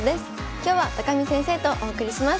今日は見先生とお送りします。